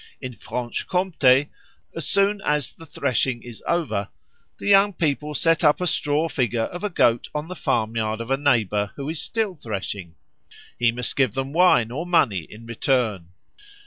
In Franche Comté, as soon as the threshing is over, the young people set up a straw figure of a goat on the farmyard of a neighbour who is still threshing. He must give them wine or money in return.